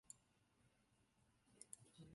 当今锡耶纳大学以其法学院和医学院闻名。